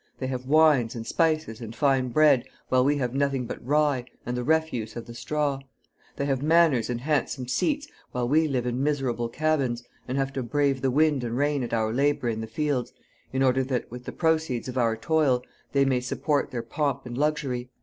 They have wines, and spices, and fine bread, while we have nothing but rye, and the refuse of the straw. They have manors and handsome seats, while we live in miserable cabins, and have to brave the wind and rain at our labor in the fields, in order that, with the proceeds of our toil, they may support their pomp and luxury.